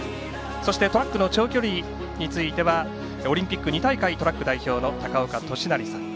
そしてトラックの長距離についてはオリンピック２大会トラック代表高岡寿成さん。